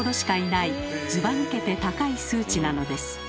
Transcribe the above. ずば抜けて高い数値なのです。